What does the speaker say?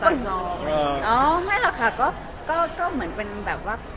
อ๋อไม่หรอกค่ะก็ก็เหมือนเป็นแบบว่า